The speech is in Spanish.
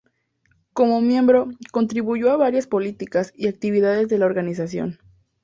Como miembro, contribuyó a varias políticas y actividades de la organización.